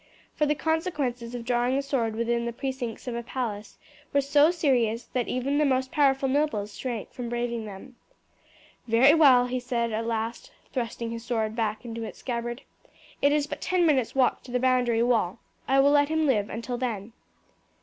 For the consequences of drawing a sword within the precincts of a palace were so serious, that even the most powerful nobles shrank from braving them. "Very well," he said at last, thrusting his sword back into its scabbard. "It is but ten minutes' walk to the boundary wall, I will let him live till then."